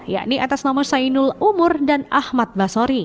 yakni atas nama sainul umur dan ahmad basori